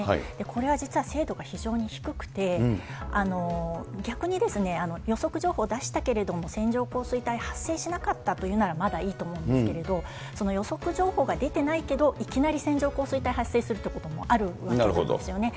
これは実は精度が非常に低くて、逆に予測情報出したけれども、線状降水帯発生しなかったというならまだいいと思うんですけれども、その予測情報が出てないけど、いきなり線状降水帯発生するということもあるわけなんですよね。